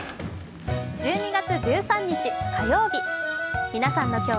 １２月１３日火曜日。